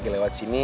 aku lagi lewat sini